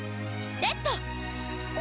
レッド！